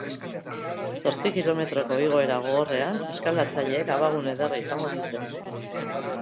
Zortzi kilometroko igoera gogorrean, eskalatzaileek abagune ederra izango dute.